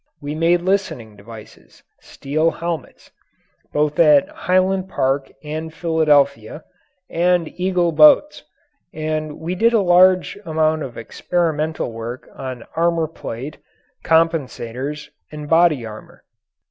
We made listening devices, steel helmets (both at Highland Park and Philadelphia), and Eagle Boats, and we did a large amount of experimental work on armour plate, compensators, and body armour.